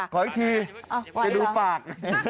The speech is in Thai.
ขออีกทีเดี๋ยวดูฝาก